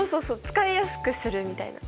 使いやすくするみたいな。